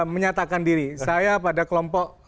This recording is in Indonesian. menyatakan diri saya pada kelompok